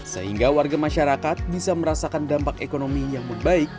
sehingga warga masyarakat bisa merasakan dampak ekonomi yang membaik